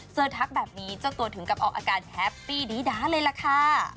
ทักแบบนี้เจ้าตัวถึงกับออกอาการแฮปปี้ดีด้าเลยล่ะค่ะ